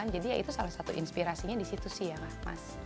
jadi ya itu salah satu inspirasinya disitu sih ya mas